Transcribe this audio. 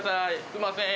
すいません。